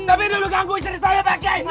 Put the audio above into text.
tapi dulu ganggu istri saya pak kiai